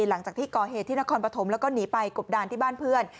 หลังจากที่ก่อเหตุที่นครปฐมแล้วก็หนีไปกบดานที่บ้านเพื่อน